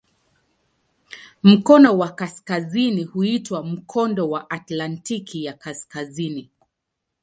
Mkono wa kaskazini huitwa "Mkondo wa Atlantiki ya Kaskazini".